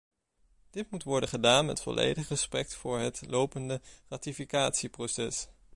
Dit moet worden gedaan met volledig respect voor het lopende ratificatieproces.